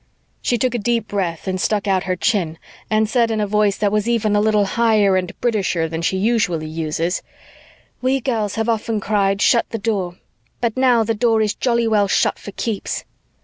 She took a deep breath and stuck out her chin and said in a voice that was even a little higher and Britisher than she usually uses, "We girls have often cried, 'Shut the Door!' But now the Door is jolly well shut for keeps!"